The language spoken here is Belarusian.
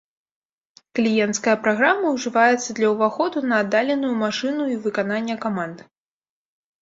Кліенцкая праграма ўжываецца для ўваходу на аддаленую машыну і выканання каманд.